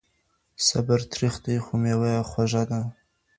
صبر تریخ دی خو مېوه یې خوږه ده.